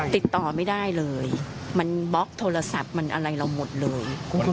ติดต่อไม่ได้เลยมันบล็อกโทรศัพท์มันอะไรเราหมดเลย